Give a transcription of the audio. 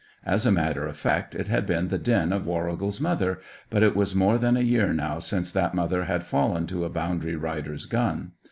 As a matter of fact, it had been the den of Warrigal's mother, but it was more than a year now since that mother had fallen to a boundary rider's gun.